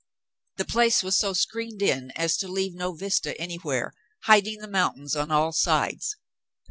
The place was so screened in as to leave no vista any where, hiding the mountains on all sides.